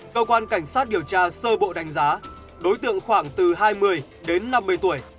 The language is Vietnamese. cơ quan cảnh sát điều tra sơ bộ đánh giá đối tượng khoảng từ hai mươi đến năm mươi tuổi